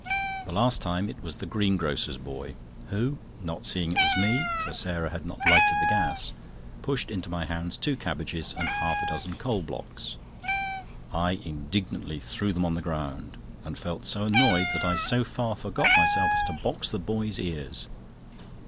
The last time it was the greengrocer's boy, who, not seeing it was me, for Sarah had not lighted the gas, pushed into my hands two cabbages and half a dozen coal blocks. I indignantly threw them on the ground, and felt so annoyed that I so far forgot myself as to box the boy's ears.